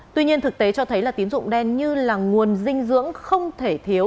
tuy nhiên thực tế cho thấy là tín dụng đen như là nguồn dinh dưỡng không thể thiếu